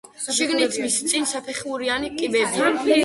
შიგნითმის წინ სამფეხურიანი კიბეა.